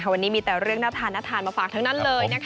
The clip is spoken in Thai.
วันนี้มีแต่เรื่องน่าทานน่าทานมาฝากทั้งนั้นเลย